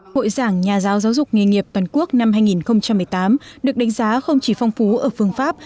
hội giảng nhà giáo giáo dục nghề nghiệp toàn quốc năm hai nghìn một mươi tám được đánh giá không chỉ phong phú ở phương pháp